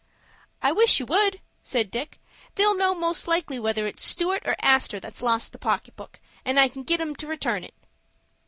"I wish you would," said Dick. "They'll know most likely whether it's Stewart or Astor that's lost the pocket book, and I can get 'em to return it."